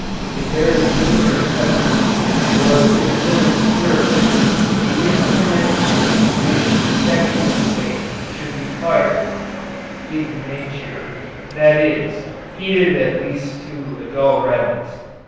If there is danger of hemorrhage, or if there is fear of it, the instruments with which dissection is made should be fired (igniantur), that is, heated at least to a dull redness.